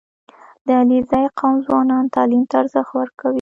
• د علیزي قوم ځوانان تعلیم ته ارزښت ورکوي.